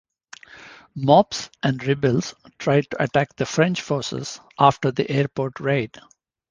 Mobs and rebels tried to attack the French forces after the airport raid.